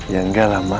ya enggak lah ma